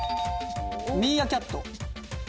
ミーアキャット。